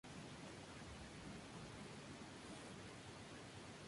Algunos nombres de dominio pueden ser usados para conseguir efectos de engaño.